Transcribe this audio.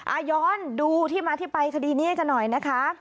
ย้อนดูที่มาที่ไปคดีนี้กันหน่อยนะคะ